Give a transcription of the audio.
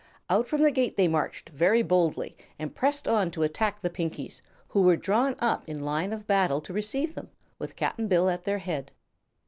Out from the gate they marched very boldly and pressed on to attack the Pinkies, who were drawn up in line of battle to receive them, with Cap'n Bill at their head.